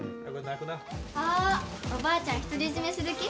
あ、おばあちゃん独り占めする気？